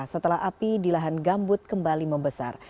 setelah api di lahan gambut kembali membesar